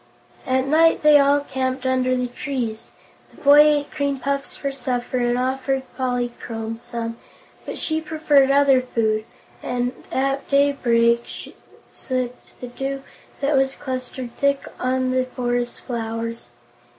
At night they all camped underneath the trees. The boy ate cream puffs for supper and offered Polychrome some, but she preferred other food and at daybreak sipped the dew that was clustered thick on the forest flowers.